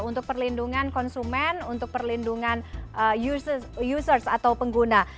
untuk perlindungan konsumen untuk perlindungan users atau pengguna